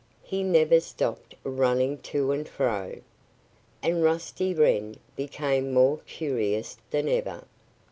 He never stopped running to and fro. And Rusty Wren became more curious than ever.